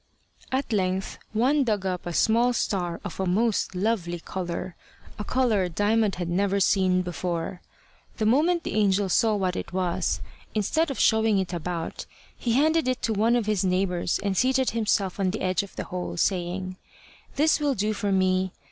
At length one dug up a small star of a most lovely colour a colour Diamond had never seen before. The moment the angel saw what it was, instead of showing it about, he handed it to one of his neighbours, and seated himself on the edge of the hole, saying: "This will do for me.